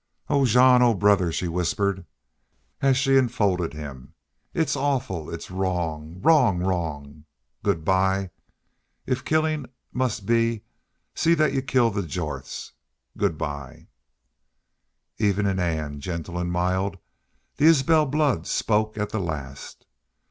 "Oh, Jean! oh, brother!" she whispered as she enfolded him. "It's awful! It's wrong! Wrong! Wrong! ... Good by! ... If killing MUST be see that y'u kill the Jorths! ... Good by!" Even in Ann, gentle and mild, the Isbel blood spoke at the last.